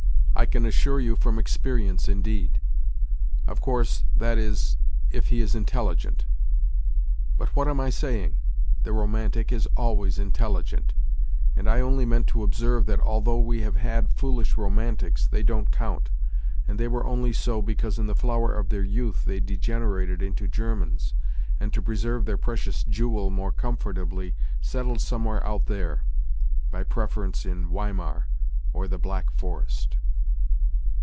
... I can assure you from experience, indeed. Of course, that is, if he is in telligent. But what am I saying ! The romantic is always intelligent, and I only meant to observe that although we have had foolish romantics they don't count, and they were only so because in the flower of their youth they degenerated into Germans, and to preserve their precious jewel more comfortably, settled somewhere out there by preference in Weimar or the Black Forest.